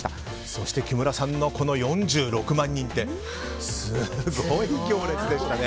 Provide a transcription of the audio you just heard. そして木村さんの４６万人ってすごい行列でしたね。